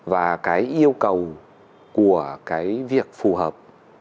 và cái yêu cầu của cái việc phù hợp